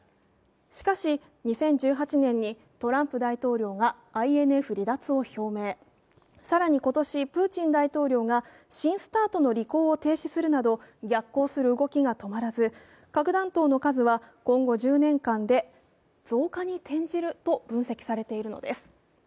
しかし、２０１８年にトランプ大統領がＩＮＦ離脱を表明、更に今年、プーチン大統領が新ＳＴＡＲＴ＝新戦略兵器削減条約の履行を停止するなど逆行する動きが止まらず核弾頭の数は今後１０年間で増加に転じると分析されているのです。